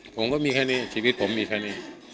ผมก็มีแค่นี้ชีวิตผมมีแค่นี้